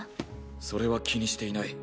それは気にしていない。